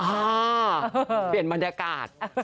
เปลี่ยนบรรยากาศ